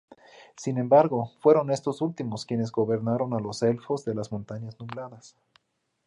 Sin embargo, fueron estos últimos quienes gobernaron a los Elfos de las Montañas Nubladas.